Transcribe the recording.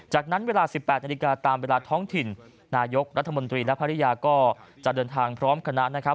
จากนั้นเวลา๑๘นาฬิกาตามเวลาท้องถิ่นนายกรัฐมนตรีและภรรยาก็จะเดินทางพร้อมคณะนะครับ